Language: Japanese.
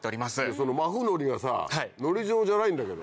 そのマフノリがさのり状じゃないんだけど。